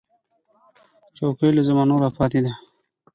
چوکۍ له زمانو راپاتې ده.